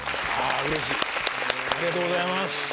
ありがとうございます！